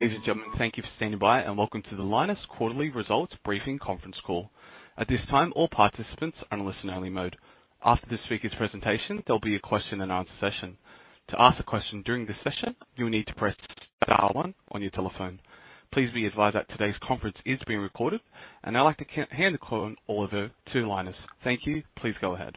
Ladies and gentlemen, thank you for standing by and welcome to the Lynas Quarterly Results Briefing Conference Call. At this time, all participants are in listen-only mode. After this speaker's presentation, there'll be a question-and-answer session. To ask a question during this session, you'll need to press star one on your telephone. Please be advised that today's conference is being recorded, and I'd like to hand the call over to Lynas. Thank you. Please go ahead.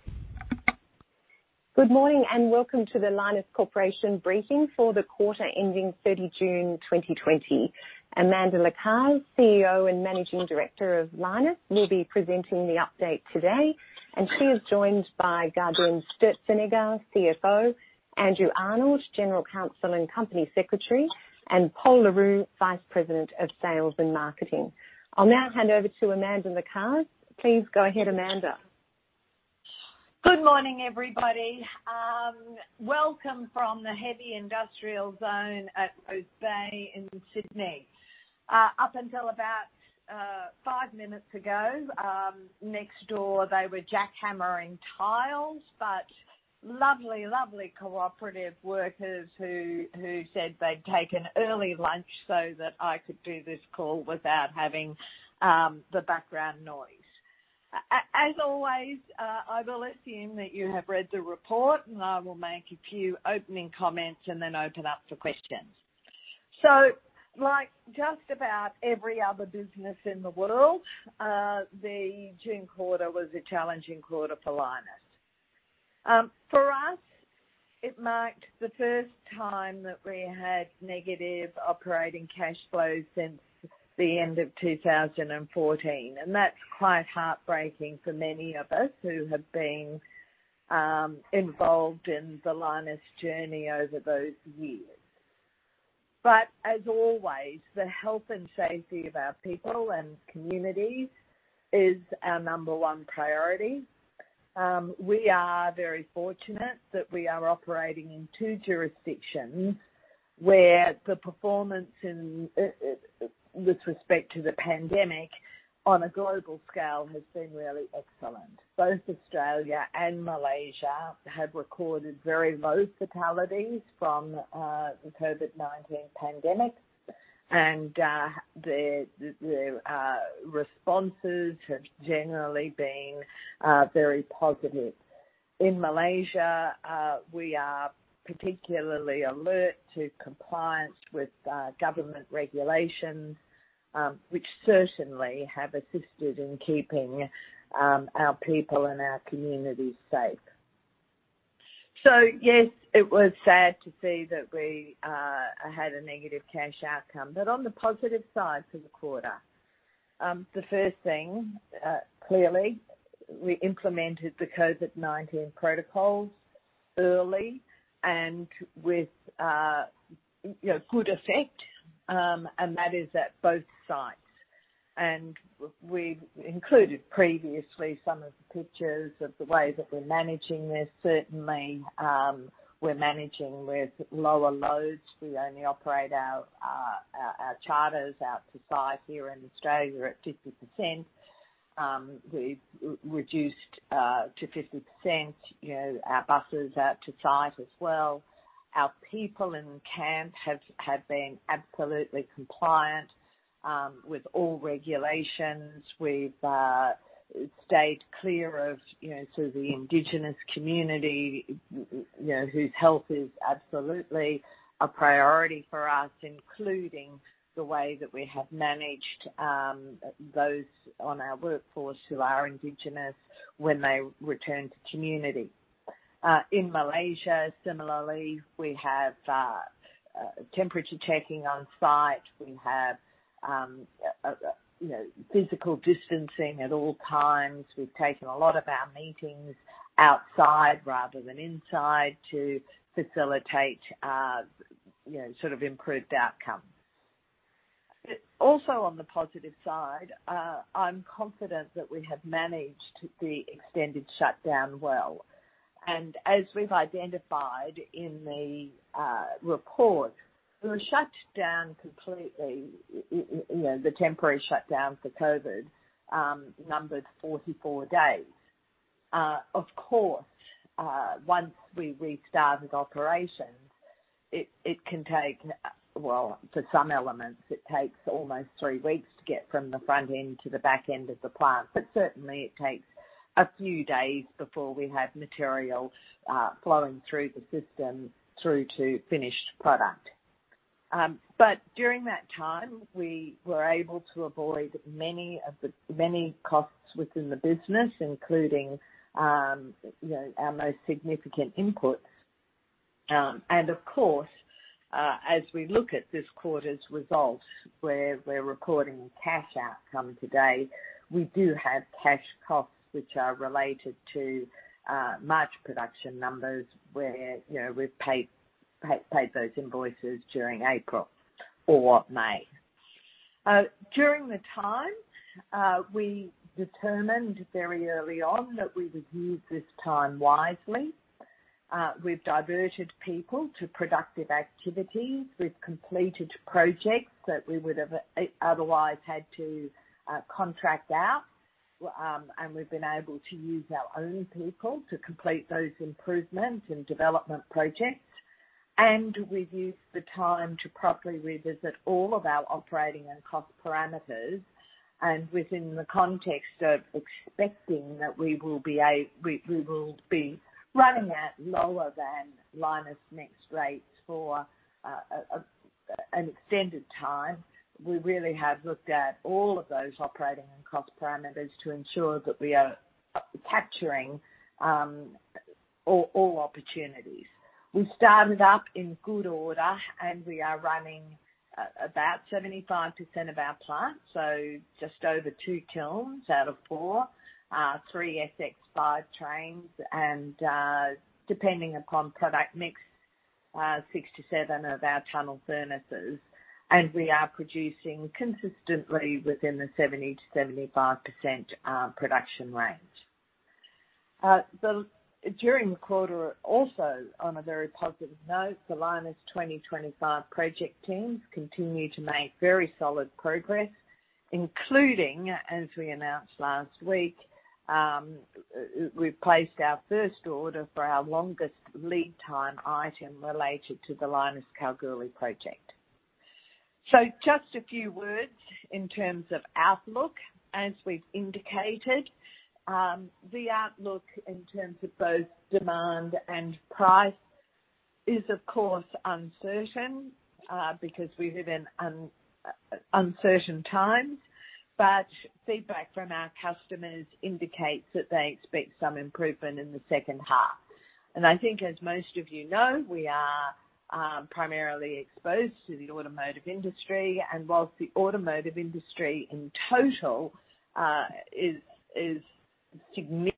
Good morning and welcome to the Lynas Corporation Briefing for the quarter ending 30 June 2020. Amanda Lacaze, CEO and Managing Director of Lynas, will be presenting the update today, and she is joined by Gaudenz Sturzenegger, CFO, Andrew Arnold, General Counsel and Company Secretary, and Pol Le Roux, Vice President of Sales and Marketing. I'll now hand over to Amanda Lacaze. Please go ahead, Amanda. Good morning, everybody. Welcome from the heavy industrial zone at Rosebery in Sydney. Up until about 5 minutes ago, next door they were jackhammering tiles, but lovely, lovely cooperative workers who said they'd taken early lunch so that I could do this call without having the background noise. As always, I will assume that you have read the report, and I will make a few opening comments and then open up for questions. So like just about every other business in the world, the June quarter was a challenging quarter for Lynas. For us, it marked the first time that we had negative operating cash flows since the end of 2014, and that's quite heartbreaking for many of us who have been involved in the Lynas journey over those years. But as always, the health and safety of our people and communities is our number one priority. We are very fortunate that we are operating in two jurisdictions where the performance with respect to the pandemic on a global scale has been really excellent. Both Australia and Malaysia have recorded very low fatalities from the COVID-19 pandemic, and the responses have generally been very positive. In Malaysia, we are particularly alert to compliance with government regulations, which certainly have assisted in keeping our people and our communities safe. So yes, it was sad to see that we had a negative cash outcome, but on the positive side for the quarter, the first thing, clearly, we implemented the COVID-19 protocols early and with good effect, and that is at both sites. And we included previously some of the pictures of the way that we're managing this. Certainly, we're managing with lower loads. We only operate our charters out to site here in Australia at 50%. We've reduced to 50% our buses out to site as well. Our people in camp have been absolutely compliant with all regulations. We've stayed clear of the indigenous community whose health is absolutely a priority for us, including the way that we have managed those on our workforce who are indigenous when they return to community. In Malaysia, similarly, we have temperature checking on site. We have physical distancing at all times. We've taken a lot of our meetings outside rather than inside to facilitate sort of improved outcomes. Also on the positive side, I'm confident that we have managed the extended shutdown well. And as we've identified in the report, the temporary shutdown for COVID numbered 44 days. Of course, once we restarted operations, it can take, well, for some elements, it takes almost three weeks to get from the front end to the back end of the plant. But certainly, it takes a few days before we have material flowing through the system through to finished product. But during that time, we were able to avoid many costs within the business, including our most significant inputs. And of course, as we look at this quarter's results, where we're reporting cash outcome today, we do have cash costs which are related to March production numbers where we've paid those invoices during April or May. During the time, we determined very early on that we would use this time wisely. We've diverted people to productive activities. We've completed projects that we would have otherwise had to contract out, and we've been able to use our own people to complete those improvements and development projects. And we've used the time to properly revisit all of our operating and cost parameters. Within the context of expecting that we will be running at lower than Lynas NEXT rates for an extended time, we really have looked at all of those operating and cost parameters to ensure that we are capturing all opportunities. We started up in good order, and we are running about 75% of our plant, so just over 2 kilns out of 4, 3 SX5 trains, and depending upon product mix, 6 to 7 of our tunnel furnaces. And we are producing consistently within the 70%-75% production range. During the quarter, also on a very positive note, the Lynas 2025 project teams continue to make very solid progress, including, as we announced last week, we've placed our first order for our longest lead time item related to the Lynas Kalgoorlie project. Just a few words in terms of outlook. As we've indicated, the outlook in terms of both demand and price is, of course, uncertain because we live in uncertain times, but feedback from our customers indicates that they expect some improvement in the second half. And I think, as most of you know, we are primarily exposed to the automotive industry, and while the automotive industry in total is significantly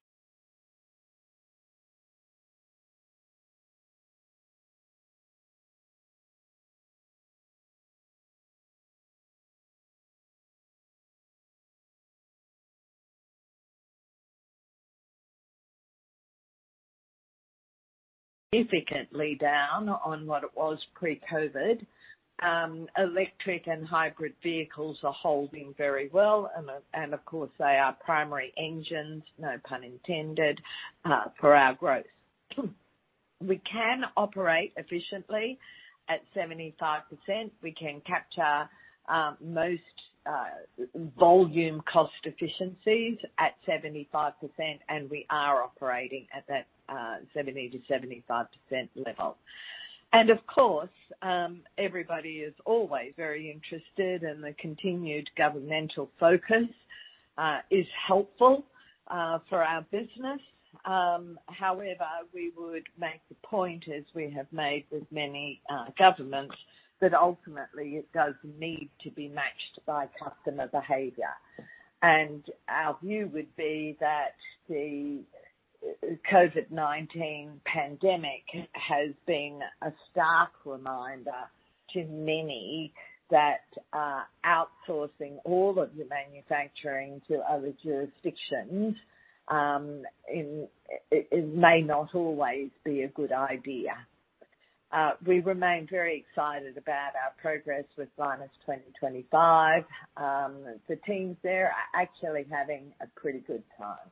down on what it was pre-COVID. Electric and hybrid vehicles are holding very well, and of course, they are primary engines, no pun intended, for our growth. We can operate efficiently at 75%. We can capture most volume cost efficiencies at 75%, and we are operating at that 70%-75% level. And of course, everybody is always very interested, and the continued governmental focus is helpful for our business. However, we would make the point, as we have made with many governments, that ultimately it does need to be matched by customer behavior. And our view would be that the COVID-19 pandemic has been a stark reminder to many that outsourcing all of the manufacturing to other jurisdictions may not always be a good idea. We remain very excited about our progress with Lynas 2025. The teams there are actually having a pretty good time.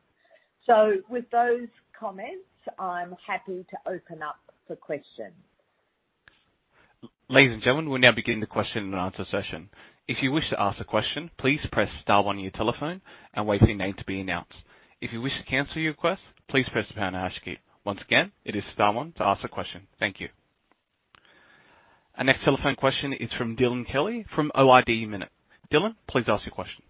So with those comments, I'm happy to open up for questions. Ladies and gentlemen, we'll now begin the question and answer session. If you wish to ask a question, please press star one on your telephone and wait for your name to be announced. If you wish to cancel your request, please press the pound on our screen. Once again, it is star one to ask a question. Thank you. Our next telephone question is from Dylan Kelly from Ord Minnett. Dylan, please ask your question.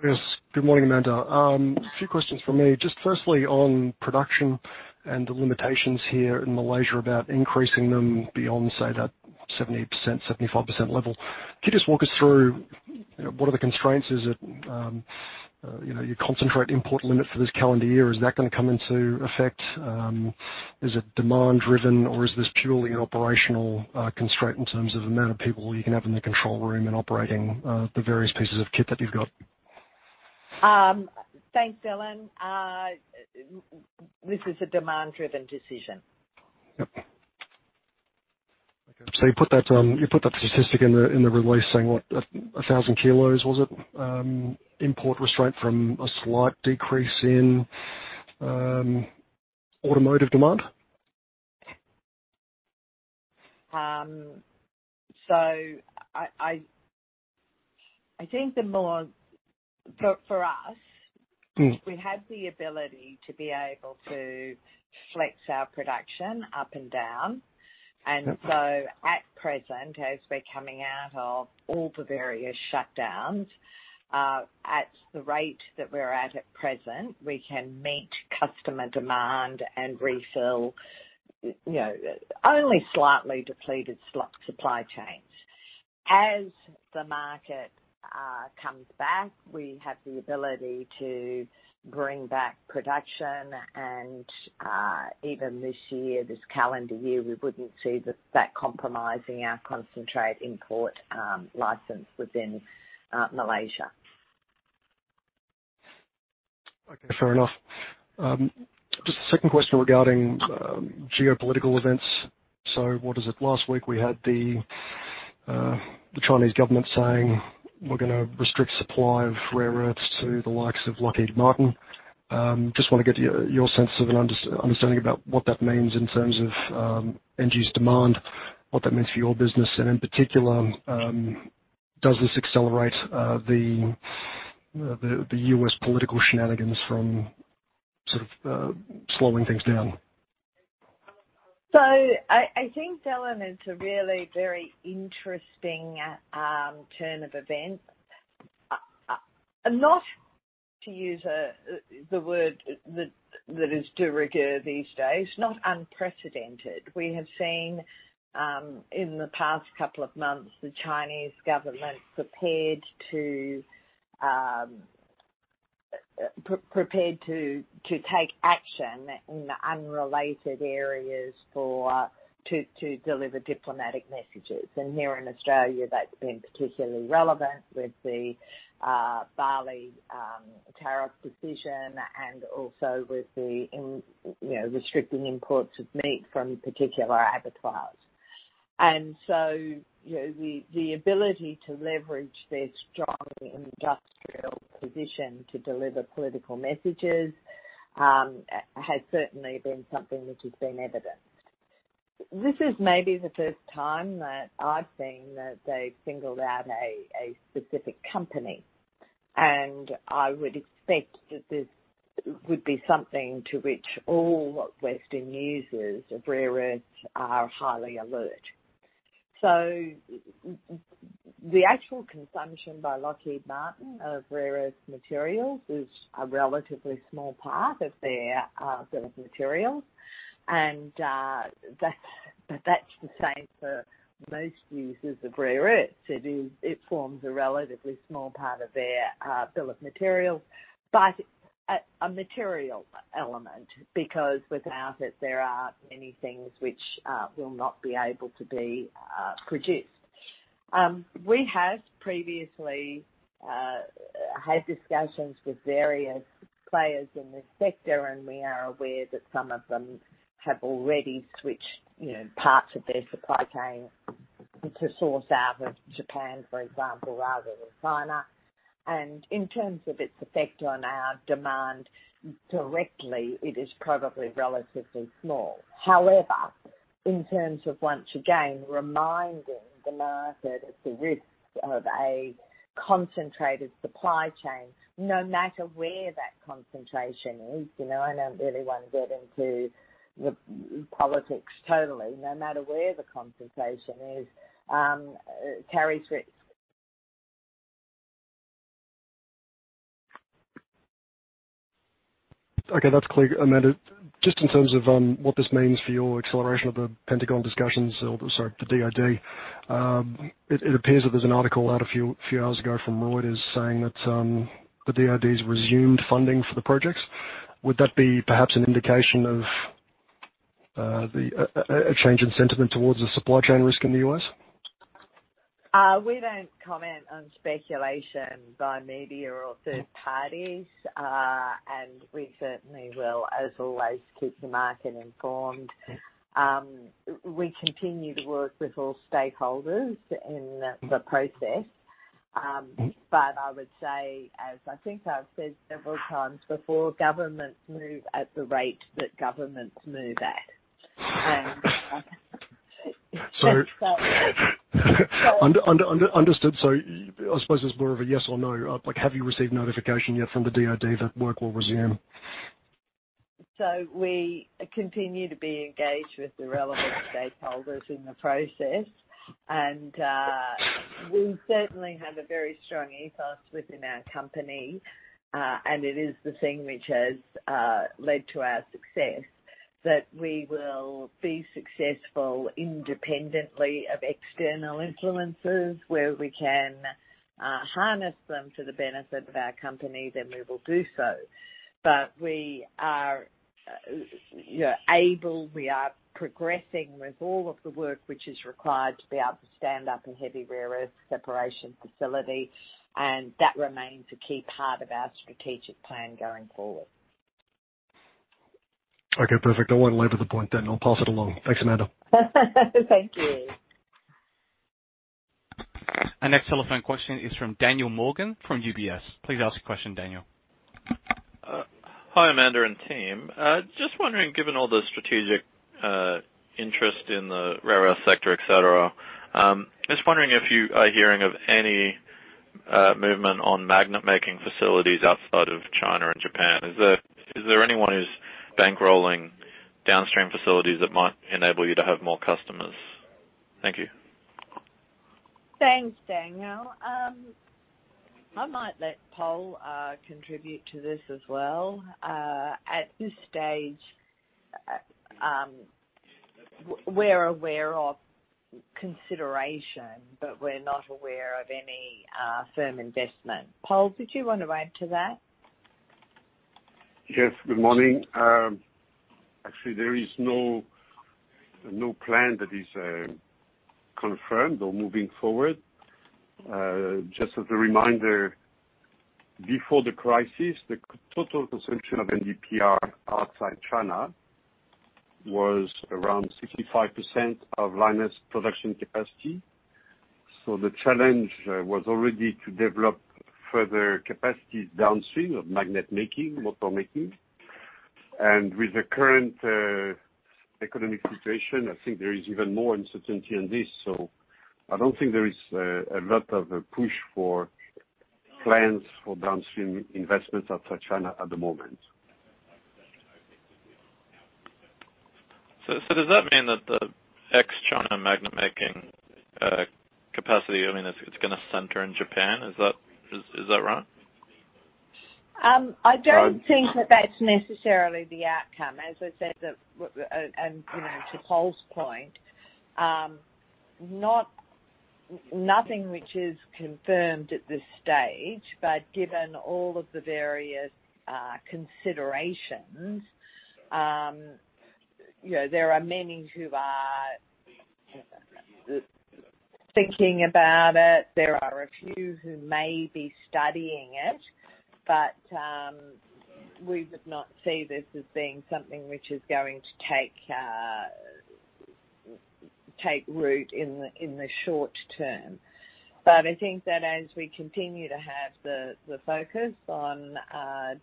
Good morning, Amanda. A few questions from me. Just firstly, on production and the limitations here in Malaysia about increasing them beyond, say, that 70%, 75% level. Could you just walk us through what are the constraints? Is it your concentrate import limit for this calendar year? Is that going to come into effect? Is it demand-driven, or is this purely an operational constraint in terms of the amount of people you can have in the control room and operating the various pieces of kit that you've got? Thanks, Dylan. This is a demand-driven decision. Yep. Okay. So you put that statistic in the release saying what, 1,000 kilos, was it? Import restraint from a slight decrease in automotive demand? So I think the more for us, we have the ability to be able to flex our production up and down. And so at present, as we're coming out of all the various shutdowns, at the rate that we're at at present, we can meet customer demand and refill only slightly depleted supply chains. As the market comes back, we have the ability to bring back production. And even this year, this calendar year, we wouldn't see that compromising our concentrate import license within Malaysia. Okay. Fair enough. Just a second question regarding geopolitical events. So what is it? Last week, we had the Chinese government saying, "We're going to restrict supply of rare earths to the likes of Lockheed Martin." Just want to get your sense of an understanding about what that means in terms of end-use demand, what that means for your business, and in particular, does this accelerate the U.S. political shenanigans from sort of slowing things down? So I think, Dylan, it's a really very interesting turn of events. Not to use the word that is derogatory these days, not unprecedented. We have seen in the past couple of months the Chinese government prepared to take action in unrelated areas to deliver diplomatic messages. And here in Australia, that's been particularly relevant with the barley tariff decision and also with the restricting imports of meat from particular abattoirs. And so the ability to leverage their strong industrial position to deliver political messages has certainly been something which has been evident. This is maybe the first time that I've seen that they've singled out a specific company. And I would expect that this would be something to which all Western users of rare earths are highly alert. So the actual consumption by Lockheed Martin of rare earth materials is a relatively small part of their bill of materials. That's the same for most users of rare earths. It forms a relatively small part of their bill of materials, but a material element because without it, there are many things which will not be able to be produced. We have previously had discussions with various players in this sector, and we are aware that some of them have already switched parts of their supply chain to source out of Japan, for example, rather than China. In terms of its effect on our demand directly, it is probably relatively small. However, in terms of once again reminding the market of the risks of a concentrated supply chain, no matter where that concentration is, I don't really want to get into the politics totally, no matter where the concentration is, it carries risk. Okay. That's clear. Amanda, just in terms of what this means for your acceleration of the Pentagon discussions or sorry, the DOD, it appears that there's an article out a few hours ago from Reuters saying that the DOD has resumed funding for the projects. Would that be perhaps an indication of a change in sentiment towards the supply chain risk in the U.S.? We don't comment on speculation by media or third parties, and we certainly will, as always, keep the market informed. We continue to work with all stakeholders in the process, but I would say, as I think I've said several times before, governments move at the rate that governments move at. And so. Understood. So I suppose there's more of a yes or no. Have you received notification yet from the DOD that work will resume? So we continue to be engaged with the relevant stakeholders in the process. And we certainly have a very strong ethos within our company, and it is the thing which has led to our success, that we will be successful independently of external influences, where we can harness them to the benefit of our companies, and we will do so. But we are able, we are progressing with all of the work which is required to be able to stand up a heavy rare earths separation facility. And that remains a key part of our strategic plan going forward. Okay. Perfect. I won't labor the point then. I'll pass it along. Thanks, Amanda. Thank you. Our next telephone question is from Daniel Morgan from UBS. Please ask your question, Daniel. Hi, Amanda and team. Just wondering, given all the strategic interest in the rare earth sector, etc., just wondering if you are hearing of any movement on magnet-making facilities outside of China and Japan. Is there anyone who's bankrolling downstream facilities that might enable you to have more customers? Thank you. Thanks, Daniel. I might let Pol contribute to this as well. At this stage, we're aware of consideration, but we're not aware of any firm investment. Pol, did you want to add to that? Yes. Good morning. Actually, there is no plan that is confirmed or moving forward. Just as a reminder, before the crisis, the total consumption of NdPr outside China was around 65% of Lynas' production capacity. So the challenge was already to develop further capacities downstream of magnet-making, motor-making. And with the current economic situation, I think there is even more uncertainty on this. So I don't think there is a lot of push for plans for downstream investments outside China at the moment. Does that mean that the ex-China magnet-making capacity, I mean, it's going to center in Japan? Is that right? I don't think that that's necessarily the outcome. As I said, and to Pol's point, nothing which is confirmed at this stage, but given all of the various considerations, there are many who are thinking about it. There are a few who may be studying it, but we would not see this as being something which is going to take root in the short term. But I think that as we continue to have the focus on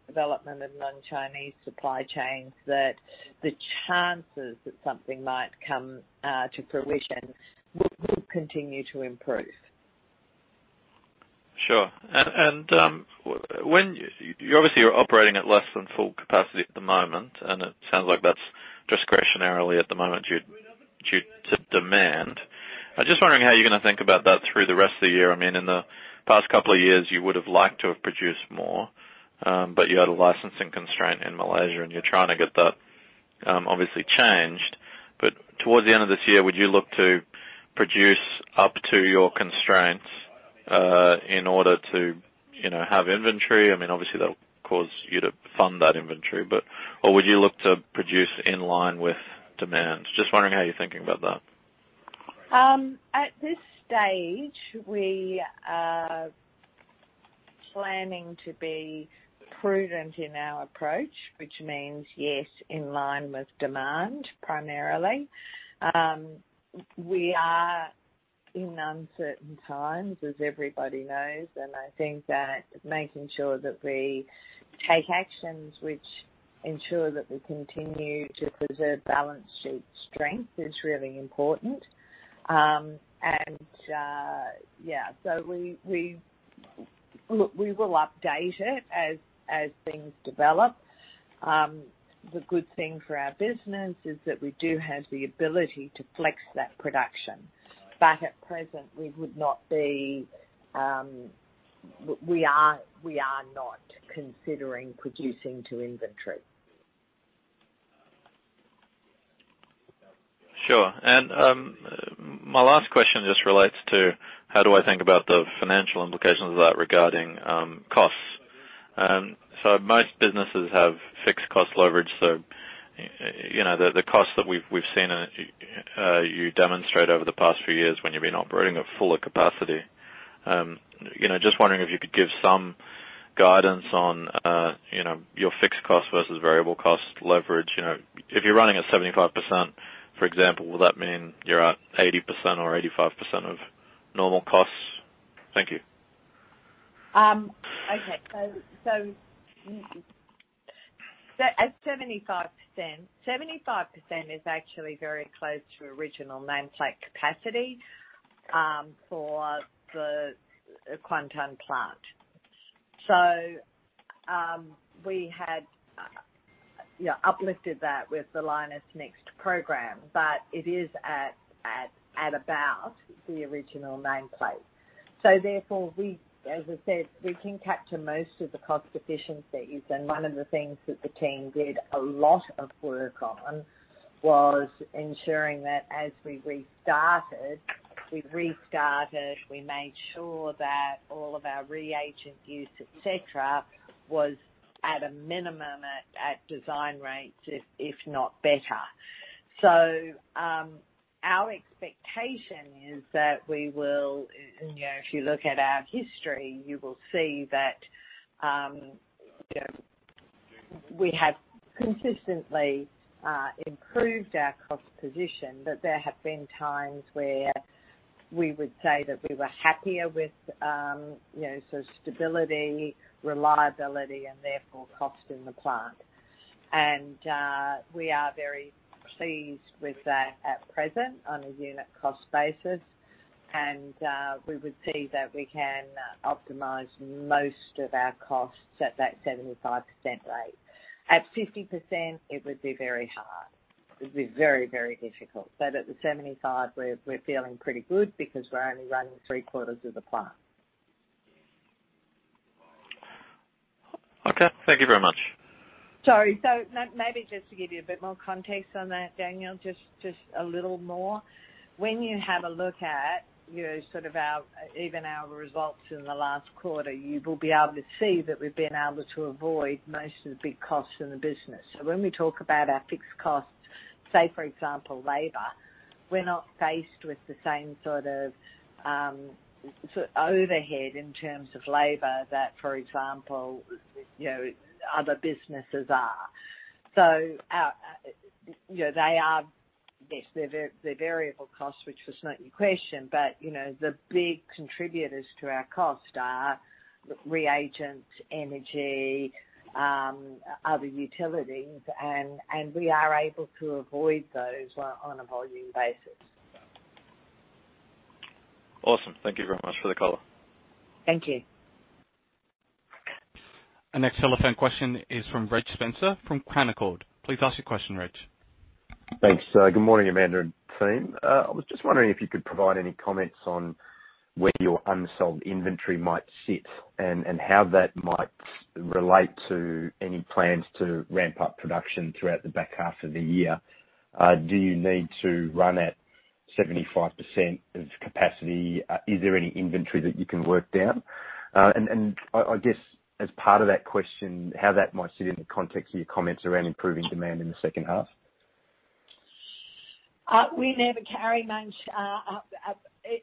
development of non-Chinese supply chains, that the chances that something might come to fruition will continue to improve. Sure. And obviously, you're operating at less than full capacity at the moment, and it sounds like that's discretionary at the moment due to demand. I'm just wondering how you're going to think about that through the rest of the year. I mean, in the past couple of years, you would have liked to have produced more, but you had a licensing constraint in Malaysia, and you're trying to get that obviously changed. But towards the end of this year, would you look to produce up to your constraints in order to have inventory? I mean, obviously, that'll cause you to fund that inventory. Or would you look to produce in line with demand? Just wondering how you're thinking about that. At this stage, we are planning to be prudent in our approach, which means, yes, in line with demand primarily. We are in uncertain times, as everybody knows, and I think that making sure that we take actions which ensure that we continue to preserve balance sheet strength is really important. And yeah, so we will update it as things develop. The good thing for our business is that we do have the ability to flex that production. But at present, we would not be—we are not considering producing to inventory. Sure. My last question just relates to how do I think about the financial implications of that regarding costs. Most businesses have fixed cost leverage, so the costs that we've seen you demonstrate over the past few years when you've been operating at fuller capacity. Just wondering if you could give some guidance on your fixed cost versus variable cost leverage. If you're running at 75%, for example, would that mean you're at 80% or 85% of normal costs? Thank you. Okay. So at 75%, 75% is actually very close to original nameplate capacity for the Kuantan plant. So we had uplifted that with the Lynas NEXT program, but it is at about the original nameplate. So therefore, as I said, we can capture most of the cost efficiencies. And one of the things that the team did a lot of work on was ensuring that as we restarted, we made sure that all of our reagent use, etc., was at a minimum at design rates, if not better. So our expectation is that we will, if you look at our history, you will see that we have consistently improved our cost position, but there have been times where we would say that we were happier with sort of stability, reliability, and therefore cost in the plant. And we are very pleased with that at present on a unit cost basis. We would see that we can optimize most of our costs at that 75% rate. At 50%, it would be very hard. It would be very, very difficult. At the 75, we're feeling pretty good because we're only running three-quarters of the plant. Okay. Thank you very much. Sorry. So maybe just to give you a bit more context on that, Daniel, just a little more. When you have a look at sort of even our results in the last quarter, you will be able to see that we've been able to avoid most of the big costs in the business. So when we talk about our fixed costs, say, for example, labor, we're not faced with the same sort of overhead in terms of labor that, for example, other businesses are. So they are, yes, they're variable costs, which was not your question, but the big contributors to our cost are reagents, energy, other utilities, and we are able to avoid those on a volume basis. Awesome. Thank you very much for the color. Thank you. Our next telephone question is from Reg Spencer from Canaccord. Please ask your question, Reg. Thanks. Good morning, Amanda and team. I was just wondering if you could provide any comments on where your unsold inventory might sit and how that might relate to any plans to ramp up production throughout the back half of the year. Do you need to run at 75% of capacity? Is there any inventory that you can work down? And I guess as part of that question, how that might sit in the context of your comments around improving demand in the second half. We never carry much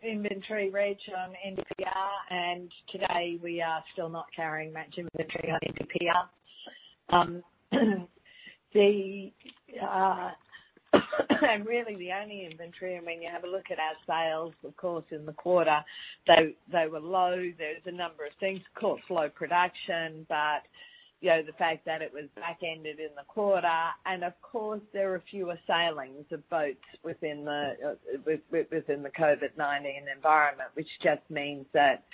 inventory, Reg, on NdPr, and today we are still not carrying much inventory on NdPr. And really, the only inventory, I mean, you have a look at our sales, of course, in the quarter. They were low. There was a number of things. Of course, low production, but the fact that it was back-ended in the quarter. And of course, there are fewer sailings of boats within the COVID-19 environment, which just means that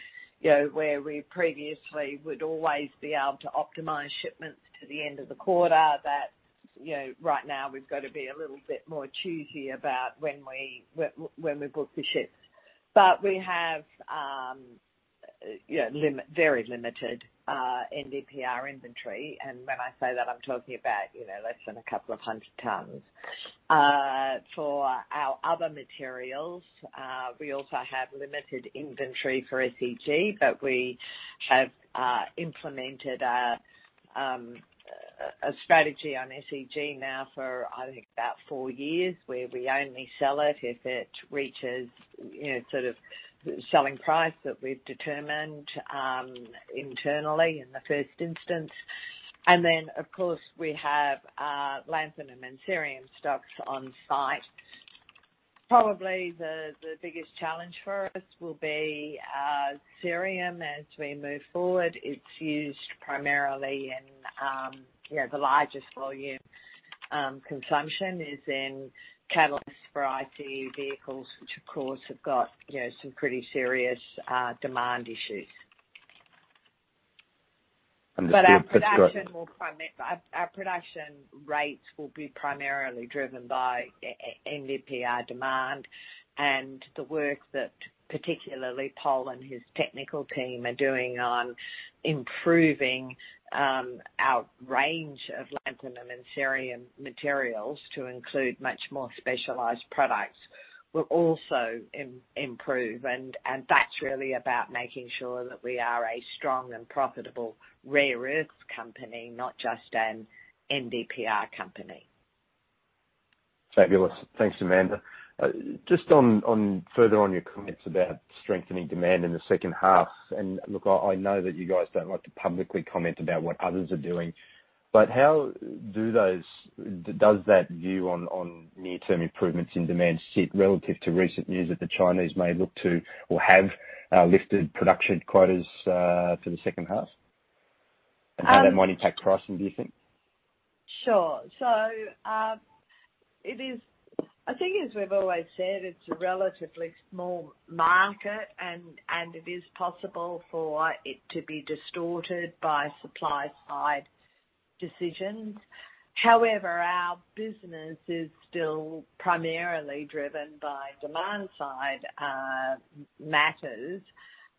where we previously would always be able to optimize shipments to the end of the quarter, that right now we've got to be a little bit more choosy about when we book the ships. But we have very limited NdPr inventory. And when I say that, I'm talking about less than a couple of hundred tons. For our other materials, we also have limited inventory for SEG, but we have implemented a strategy on SEG now for, I think, about four years, where we only sell it if it reaches sort of selling price that we've determined internally in the first instance. And then, of course, we have lanthanum and cerium stocks on site. Probably the biggest challenge for us will be cerium as we move forward. It's used primarily in the largest volume consumption is in catalysts for ICE vehicles, which, of course, have got some pretty serious demand issues. But our production rates will be primarily driven by NdPr demand and the work that particularly Pol and his technical team are doing on improving our range of lanthanum and cerium materials to include much more specialized products will also improve. That's really about making sure that we are a strong and profitable rare earth company, not just an NdPr company. Fabulous. Thanks, Amanda. Just further on your comments about strengthening demand in the second half, and look, I know that you guys don't like to publicly comment about what others are doing, but how does that view on near-term improvements in demand sit relative to recent news that the Chinese may look to or have lifted production quotas for the second half? And how that might impact pricing, do you think? Sure. So I think, as we've always said, it's a relatively small market, and it is possible for it to be distorted by supply-side decisions. However, our business is still primarily driven by demand-side matters,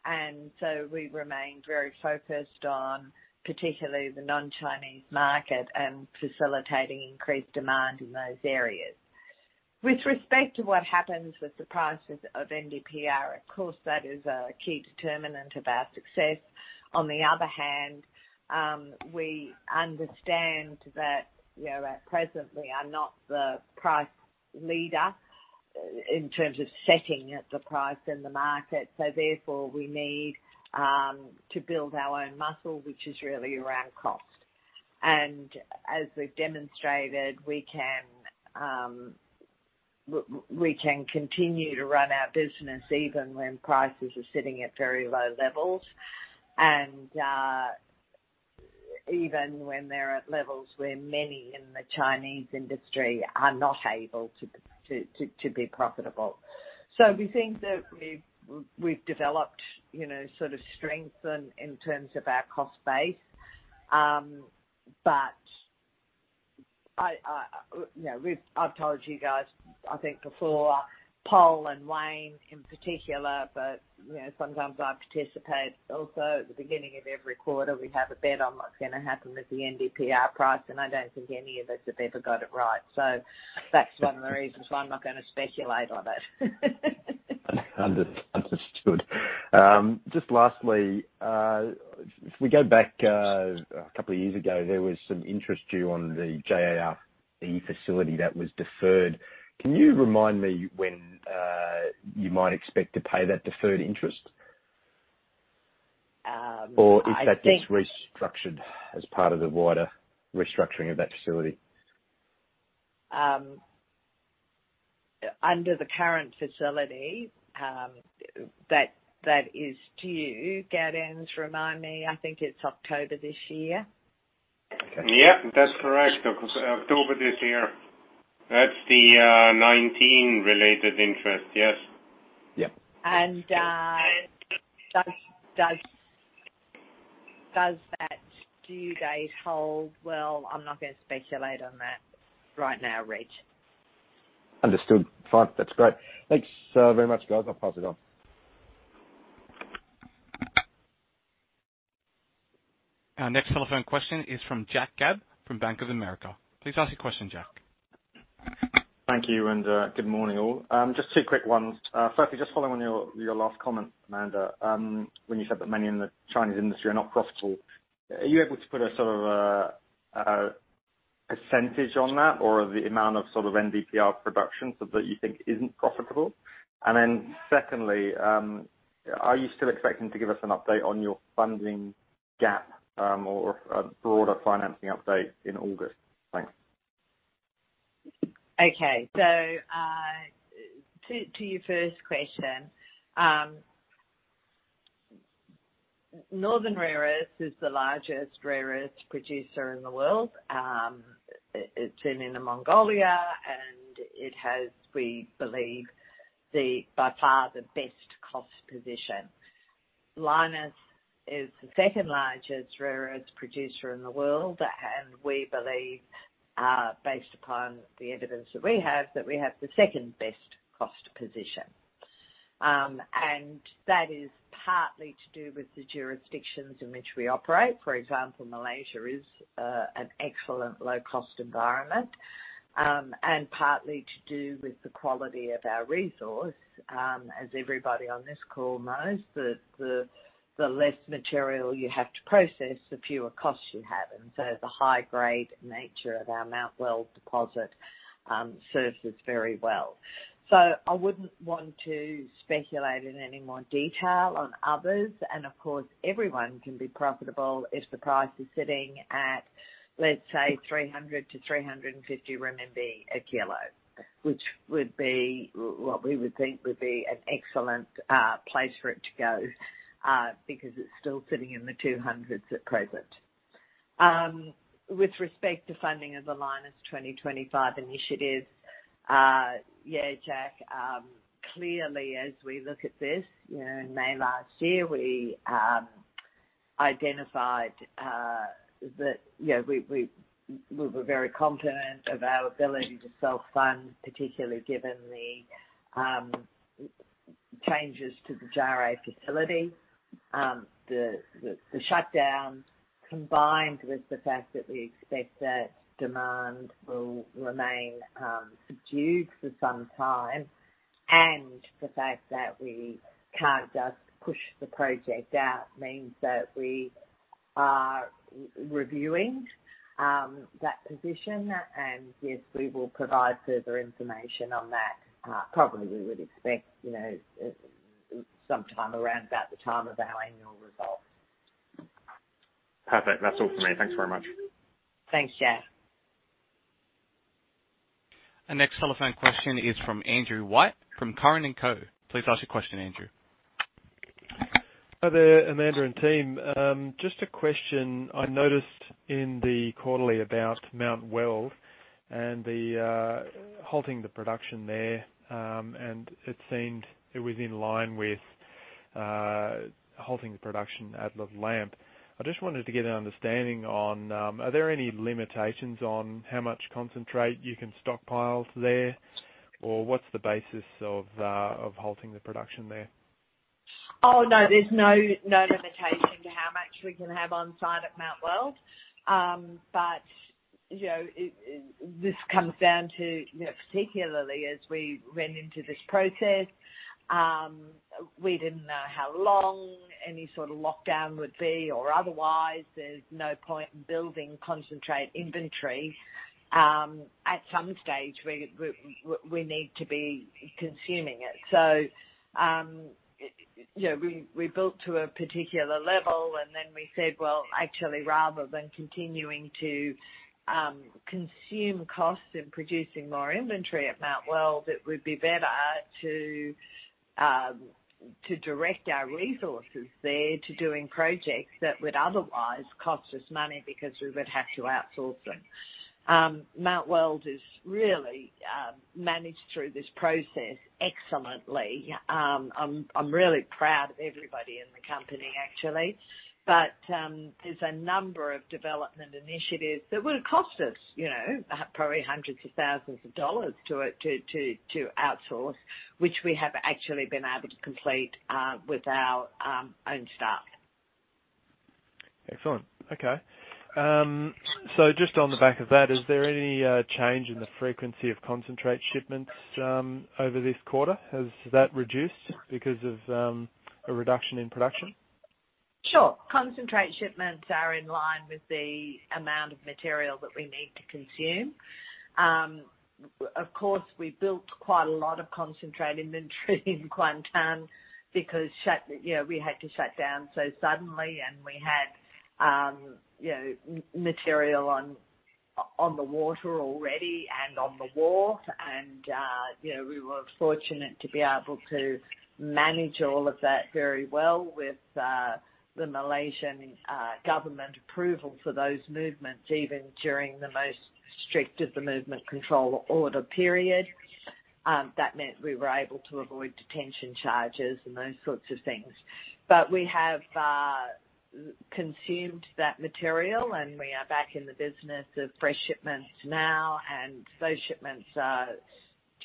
and so we remain very focused on particularly the non-Chinese market and facilitating increased demand in those areas. With respect to what happens with the prices of NdPr, of course, that is a key determinant of our success. On the other hand, we understand that at present, we are not the price leader in terms of setting the price in the market. So therefore, we need to build our own muscle, which is really around cost. And as we've demonstrated, we can continue to run our business even when prices are sitting at very low levels and even when they're at levels where many in the Chinese industry are not able to be profitable. So we think that we've developed sort of strength in terms of our cost base. But I've told you guys, I think, before, Pol and Wayne in particular, but sometimes I participate. Also, at the beginning of every quarter, we have a bet on what's going to happen with the NdPr price, and I don't think any of us have ever got it right. So that's one of the reasons why I'm not going to speculate on it. Understood. Just lastly, if we go back a couple of years ago, there was some interest due on the JARE facility that was deferred. Can you remind me when you might expect to pay that deferred interest? Or is that just restructured as part of the wider restructuring of that facility? Under the current facility, that is due, Gaudenz, remind me, I think it's October this year. Yep, that's correct. October this year. That's the 2019 related interest, yes. Yep. Does that due date hold? Well, I'm not going to speculate on that right now, Reg. Understood. Fine. That's great. Thanks very much, guys. I'll pass it on. Our next telephone question is from Jack Gabb from Bank of America. Please ask your question, Jack. Thank you, and good morning, all. Just two quick ones. Firstly, just following on your last comment, Amanda, when you said that many in the Chinese industry are not profitable, are you able to put a sort of percentage on that or the amount of sort of NdPr production that you think isn't profitable? And then secondly, are you still expecting to give us an update on your funding gap or a broader financing update in August? Thanks. Okay. So to your first question, Northern Rare Earths is the largest rare earth producer in the world. It's in Mongolia, and it has, we believe, by far the best cost position. Lynas is the second largest rare earth producer in the world, and we believe, based upon the evidence that we have, that we have the second best cost position. And that is partly to do with the jurisdictions in which we operate. For example, Malaysia is an excellent low-cost environment, and partly to do with the quality of our resource. As everybody on this call knows, the less material you have to process, the fewer costs you have. And so the high-grade nature of our Mount Weld deposit serves us very well. So I wouldn't want to speculate in any more detail on others. Of course, everyone can be profitable if the price is sitting at, let's say, 300-350 RMB a kilo, which would be what we would think would be an excellent place for it to go because it's still sitting in the 200s at present. With respect to funding of the Lynas 2025 initiative, yeah, Jack, clearly, as we look at this, in May last year, we identified that we were very confident of our ability to self-fund, particularly given the changes to the JARE facility. The shutdown, combined with the fact that we expect that demand will remain subdued for some time, and the fact that we can't just push the project out means that we are reviewing that position. And yes, we will provide further information on that. Probably we would expect sometime around about the time of our annual results. Perfect. That's all from me. Thanks very much. Thanks, Jack. Our next telephone question is from Andrew White from Curran & Co. Please ask your question, Andrew. Hi there, Amanda and team. Just a question. I noticed in the quarterly about Mount Weld and the halting the production there, and it seemed it was in line with halting the production at Lamp. I just wanted to get an understanding on, are there any limitations on how much concentrate you can stockpile there, or what's the basis of halting the production there? Oh, no, there's no limitation to how much we can have on site at Mount Weld. But this comes down to, particularly as we went into this process, we didn't know how long any sort of lockdown would be or otherwise. There's no point building concentrate inventory at some stage where we need to be consuming it. So we built to a particular level, and then we said, "Well, actually, rather than continuing to consume costs in producing more inventory at Mount Weld, it would be better to direct our resources there to doing projects that would otherwise cost us money because we would have to outsource them." Mount Weld has really managed through this process excellently. I'm really proud of everybody in the company, actually. There's a number of development initiatives that would have cost us probably hundreds of thousands of AUD to outsource, which we have actually been able to complete with our own staff. Excellent. Okay. Just on the back of that, is there any change in the frequency of concentrate shipments over this quarter? Has that reduced because of a reduction in production? Sure. Concentrate shipments are in line with the amount of material that we need to consume. Of course, we built quite a lot of concentrate inventory in Kuantan because we had to shut down so suddenly, and we had material on the water already and on the water. We were fortunate to be able to manage all of that very well with the Malaysian government approval for those movements, even during the most strict of the movement control order period. That meant we were able to avoid detention charges and those sorts of things. We have consumed that material, and we are back in the business of fresh shipments now, and those shipments are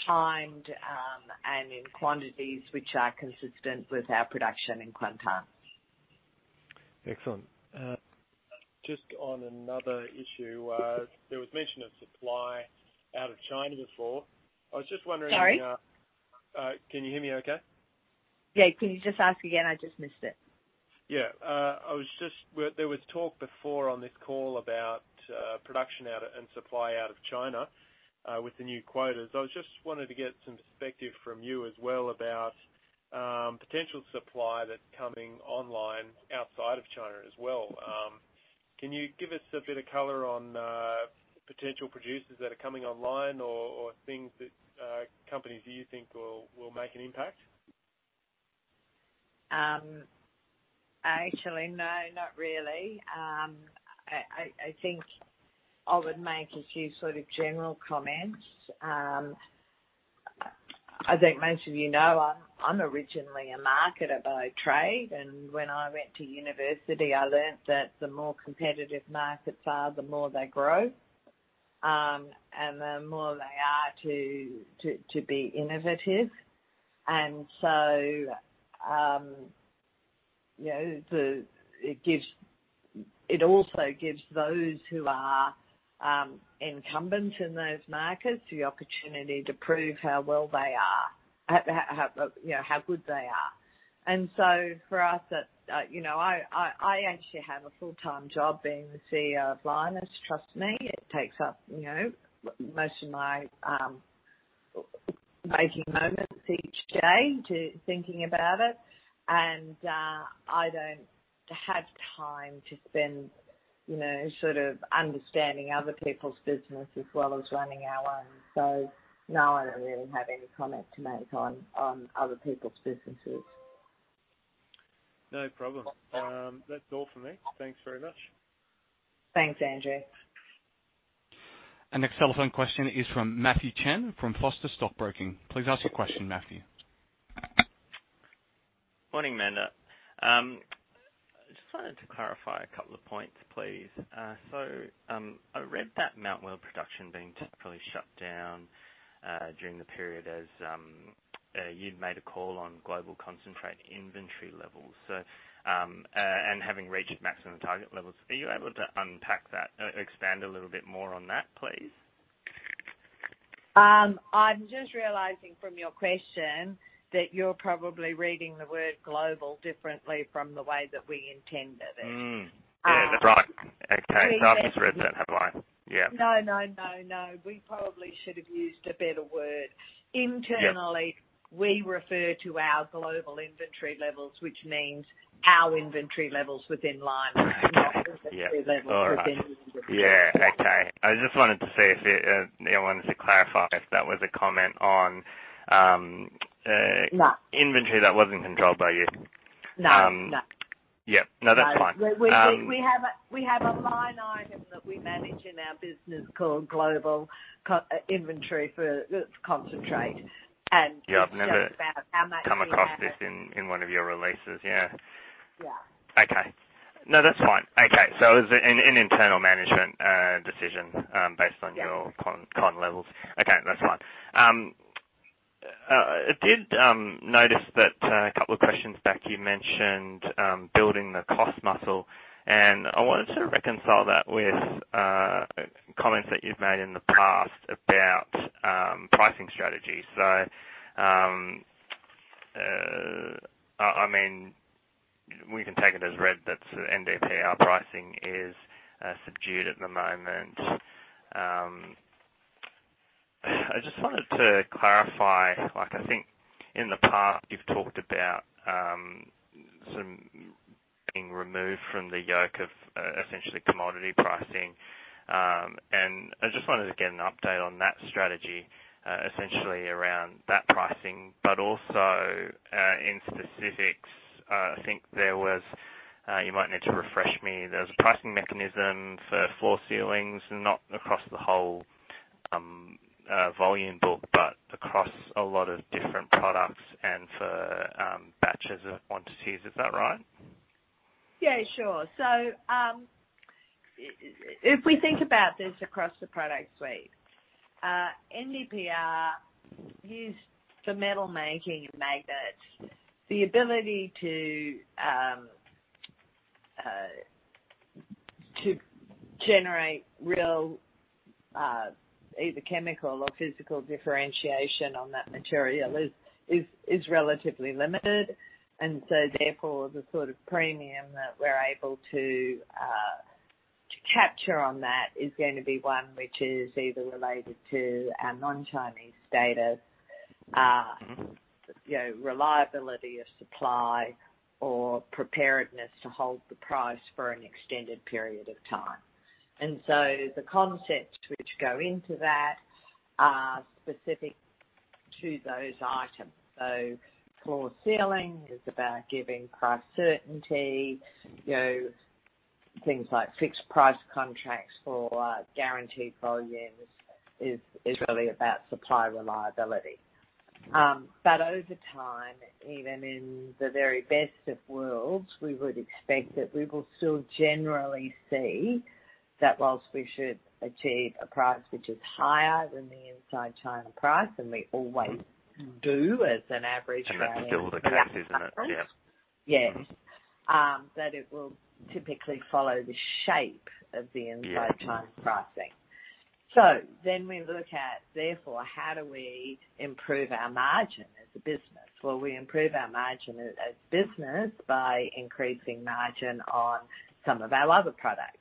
timed and in quantities which are consistent with our production in Kuantan. Excellent. Just on another issue, there was mention of supply out of China before. I was just wondering. Sorry? Can you hear me okay? Yeah. Can you just ask again? I just missed it. Yeah. There was talk before on this call about production out and supply out of China with the new quotas. I just wanted to get some perspective from you as well about potential supply that's coming online outside of China as well. Can you give us a bit of color on potential producers that are coming online or things that companies you think will make an impact? Actually, no, not really. I think I would make a few sort of general comments. I think most of you know I'm originally a marketer by trade, and when I went to university, I learned that the more competitive markets are, the more they grow, and the more they are to be innovative. And so it also gives those who are incumbents in those markets the opportunity to prove how well they are, how good they are. And so for us, I actually have a full-time job being the CEO of Lynas. Trust me, it takes up most of my waking moments each day thinking about it. And I don't have time to spend sort of understanding other people's business as well as running our own. So no, I don't really have any comment to make on other people's businesses. No problem. That's all for me. Thanks very much. Thanks, Andrew. Our next telephone question is from Matthew Chen from Foster Stockbroking. Please ask your question, Matthew. Morning, Amanda. I just wanted to clarify a couple of points, please. So I read that Mount Weld production being temporarily shut down during the period as you'd made a call on global concentrate inventory levels, and having reached maximum target levels. Are you able to unpack that, expand a little bit more on that, please? I'm just realizing from your question that you're probably reading the word global differently from the way that we intended it. Yeah, that's right. Okay. So I've just read that headline. Yeah. No, no, no, no. We probably should have used a better word. Internally, we refer to our global inventory levels, which means our inventory levels within Lynas, not inventory levels within the industry. Yeah. Okay. I just wanted to say if you wanted to clarify if that was a comment on inventory that wasn't controlled by you? No. No. Yep. No, that's fine. We have a line item that we manage in our business called global inventory for concentrate. We talked about how much we've got. Yeah. I've come across this in one of your releases. Yeah. Yeah. Okay. No, that's fine. Okay. So it was an internal management decision based on your con levels. Okay. That's fine. I did notice that a couple of questions back, you mentioned building the cost muscle. And I wanted to reconcile that with comments that you've made in the past about pricing strategy. So I mean, we can take it as read that NdPr pricing is subdued at the moment. I just wanted to clarify. I think in the past, you've talked about sort of being removed from the yoke of essentially commodity pricing. And I just wanted to get an update on that strategy, essentially around that pricing, but also in specifics. I think there was—you might need to refresh me—there was a pricing mechanism for floor ceilings, not across the whole volume book, but across a lot of different products and for batches of quantities. Is that right? Yeah, sure. So if we think about this across the product suite, NdPr used for metal making and magnets. The ability to generate real either chemical or physical differentiation on that material is relatively limited. And so therefore, the sort of premium that we're able to capture on that is going to be one which is either related to our non-Chinese status, reliability of supply, or preparedness to hold the price for an extended period of time. And so the concepts which go into that are specific to those items. So floor ceiling is about giving price certainty. Things like fixed price contracts for guaranteed volumes is really about supply reliability. But over time, even in the very best of worlds, we would expect that we will still generally see that while we should achieve a price which is higher than the inside China price, and we always do as an average value. That's still the case, isn't it? Yes. Yes. But it will typically follow the shape of the inside China pricing. So then we look at, therefore, how do we improve our margin as a business? Well, we improve our margin as a business by increasing margin on some of our other products.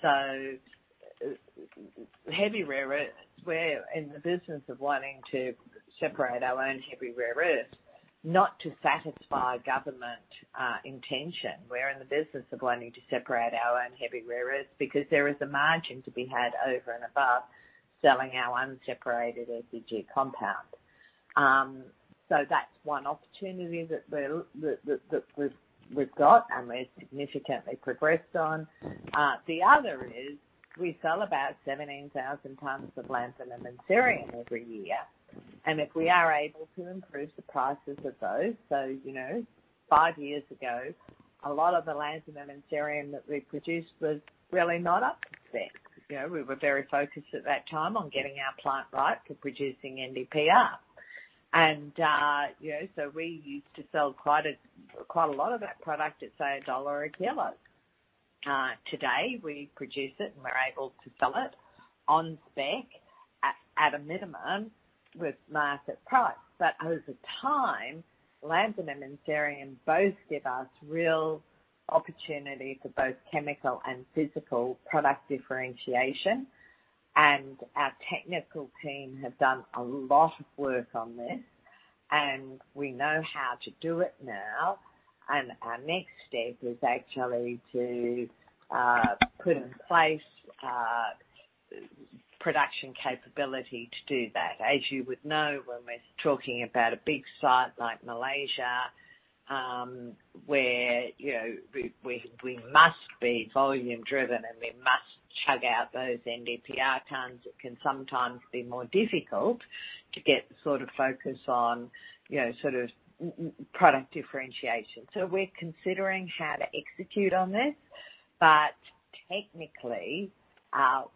So heavy rare earth, we're in the business of wanting to separate our own heavy rare earth, not to satisfy government intention. We're in the business of wanting to separate our own heavy rare earths because there is a margin to be had over and above selling our unseparated SEG compound. So that's one opportunity that we've got, and we've significantly progressed on. The other is we sell about 17,000 tonnes of lanthanum and cerium every year. If we are able to improve the prices of those, so five years ago, a lot of the lanthanum and cerium that we produced was really not up to spec. We were very focused at that time on getting our plant right for producing NdPr. And so we used to sell quite a lot of that product at, say, a dollar a kilo. Today, we produce it, and we're able to sell it on spec at a minimum with market price. But over time, lanthanum and cerium both give us real opportunity for both chemical and physical product differentiation. And our technical team have done a lot of work on this, and we know how to do it now. And our next step is actually to put in place production capability to do that. As you would know, when we're talking about a big site like Malaysia, where we must be volume-driven and we must chug out those NdPr tons, it can sometimes be more difficult to get the sort of focus on sort of product differentiation. So we're considering how to execute on this, but technically,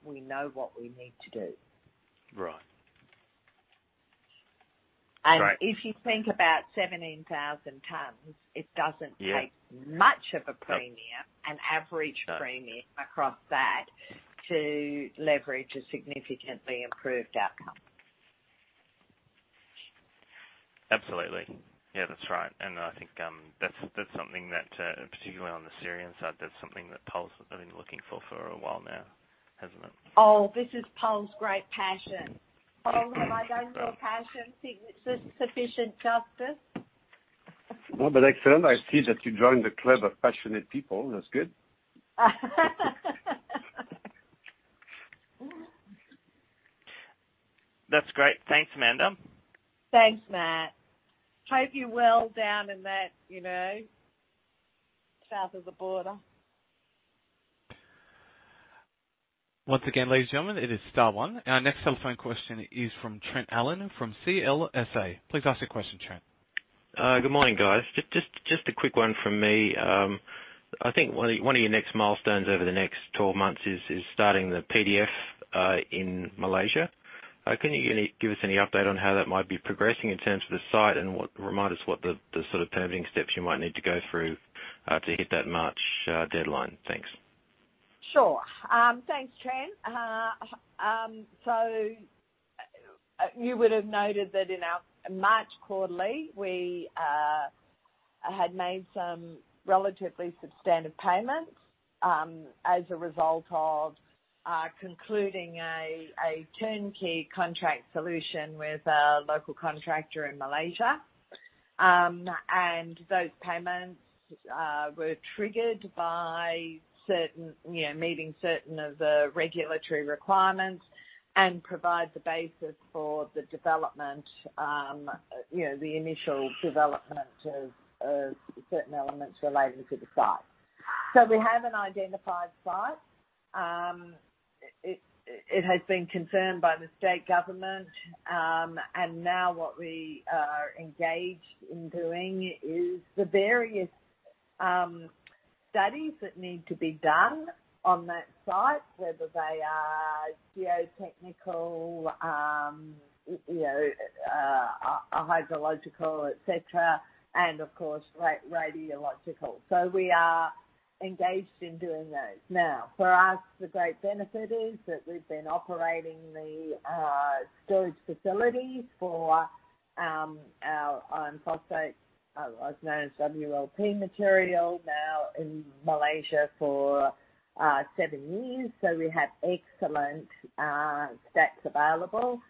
we know what we need to do. Right. Great. If you think about 17,000 tonnes, it doesn't take much of a premium, an average premium across that, to leverage a significantly improved outcome. Absolutely. Yeah, that's right. And I think that's something that, particularly on the cerium side, that's something that Pol's been looking for for a while now, hasn't it? Oh, this is Pol's great passion. Pol, have I done your passion sufficient justice? No, but excellent. I see that you joined the club of passionate people. That's good. That's great. Thanks, Amanda. Thanks, Matt. Hope you well down in that south of the border. Once again, ladies and gentlemen, it is star One. Our next telephone question is from Trent Allen from CLSA. Please ask your question, Trent. Good morning, guys. Just a quick one from me. I think one of your next milestones over the next 12 months is starting the PDF in Malaysia. Can you give us any update on how that might be progressing in terms of the site and remind us what the sort of permitting steps you might need to go through to hit that March deadline? Thanks. Sure. Thanks, Trent. So you would have noted that in our March quarter, we had made some relatively substantive payments as a result of concluding a turnkey contract solution with a local contractor in Malaysia. And those payments were triggered by meeting certain of the regulatory requirements and provide the basis for the development, the initial development of certain elements relating to the site. So we have an identified site. It has been confirmed by the state government. And now what we are engaged in doing is the various studies that need to be done on that site, whether they are geotechnical, hydrological, etc., and of course, radiological. So we are engaged in doing those. Now, for us, the great benefit is that we've been operating the storage facilities for iron phosphate, also known as WLP material, now in Malaysia for seven years. So we have excellent stacks available.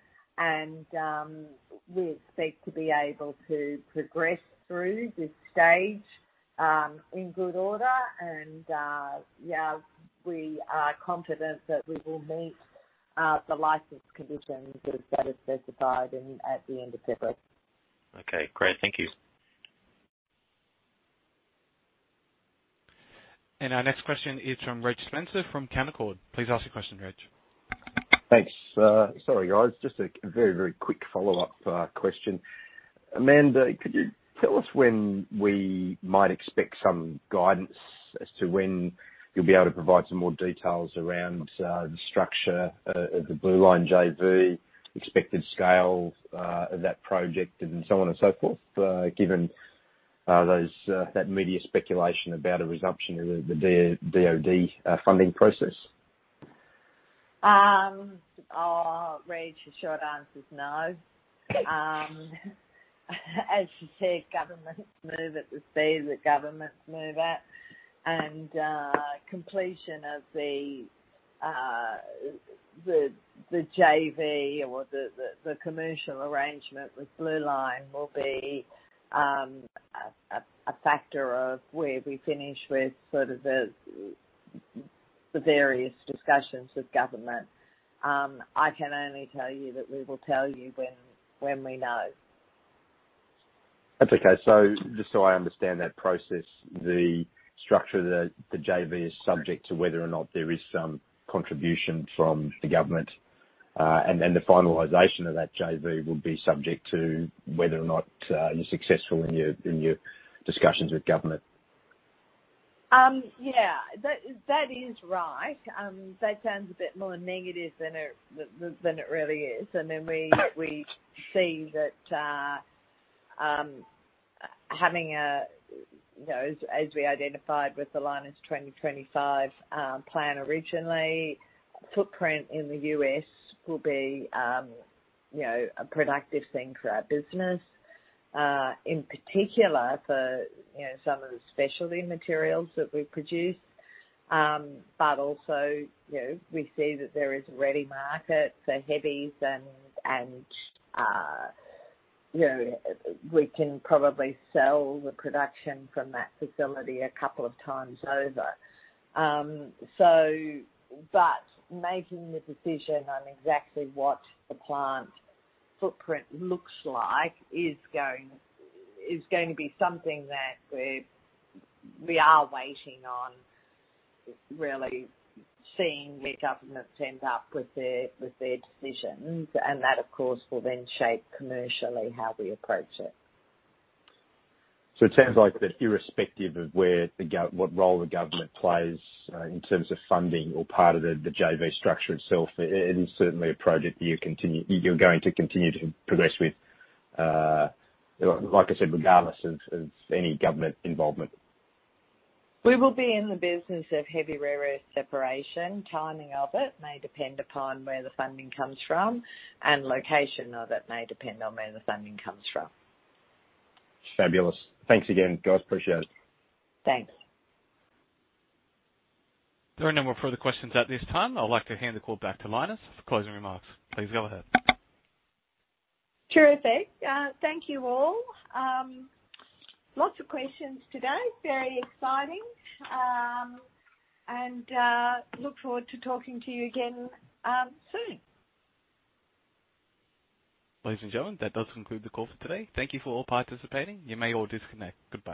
We expect to be able to progress through this stage in good order. Yeah, we are confident that we will meet the license conditions as they're specified at the end of February. Okay. Great. Thank you. Our next question is from Reg Spencer from Canaccord. Please ask your question, Reg. Thanks. Sorry, guys. Just a very, very quick follow-up question. Amanda, could you tell us when we might expect some guidance as to when you'll be able to provide some more details around the structure of the Blue Line JV, expected scale of that project, and so on and so forth, given that media speculation about a resumption of the DOD funding process? Reg, the short answer is no. As you said, governments move at the speed that governments move at. Completion of the JV or the commercial arrangement with Blue Line will be a factor of where we finish with sort of the various discussions with government. I can only tell you that we will tell you when we know. That's okay. So just so I understand that process, the structure of the JV is subject to whether or not there is some contribution from the government. And then the finalization of that JV will be subject to whether or not you're successful in your discussions with government. Yeah. That is right. That sounds a bit more negative than it really is. And then we see that having a, as we identified with the Lynas 2025 plan originally, footprint in the U.S. will be a productive thing for our business, in particular for some of the specialty materials that we produce. But also, we see that there is a ready market for heavies, and we can probably sell the production from that facility a couple of times over. But making the decision on exactly what the plant footprint looks like is going to be something that we are waiting on, really seeing where government ends up with their decisions. And that, of course, will then shape commercially how we approach it. It sounds like that irrespective of what role the government plays in terms of funding or part of the JV structure itself, it is certainly a project that you're going to continue to progress with, like I said, regardless of any government involvement. We will be in the business of heavy rare earth separation. Timing of it may depend upon where the funding comes from, and location of it may depend on where the funding comes from. Fabulous. Thanks again, guys. Appreciate it. Thanks. There are no more further questions at this time. I'd like to hand the call back to Lynas for closing remarks. Please go ahead. Terrific. Thank you all. Lots of questions today. Very exciting. Look forward to talking to you again soon. Ladies and gentlemen, that does conclude the call for today. Thank you for all participating. You may all disconnect. Goodbye.